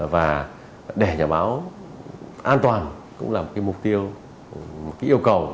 và để nhà báo an toàn cũng là một mục tiêu một yêu cầu